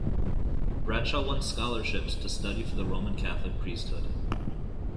Bradshaw won scholarships to study for the Roman Catholic priesthood.